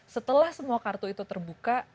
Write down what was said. setelah semua kartu itu terbuka